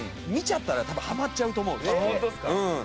見ちゃったら多分ハマっちゃうと思うきっと。